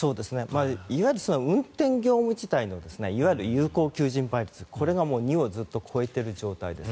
いわゆる運転業務自体のいわゆる有効求人倍率これがずっと２を超えている状態です。